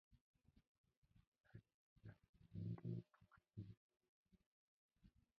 Цаашид яах нь үнэндээ тун аягүй байв.